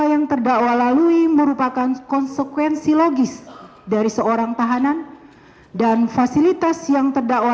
yang terdakwa lalui merupakan konsekuensi logis dari seorang tahanan dan fasilitas yang terdakwa